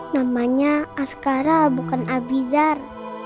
namanya askara bukan abizar